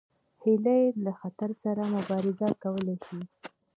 هیلۍ له خطر سره مبارزه کولی شي